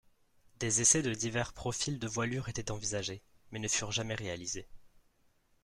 Des essais de divers profils de voilure étaient envisagés, mais ne furent jamais réalisés.